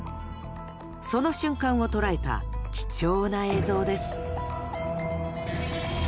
その瞬間を捉えた貴重な映像です